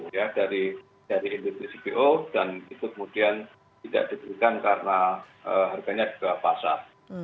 ya dari industri cpo dan itu kemudian tidak diberikan karena harganya juga pasar